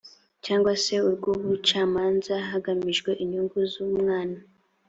cyangwa se urw ubucamanza hagamijwe inyungu z umwana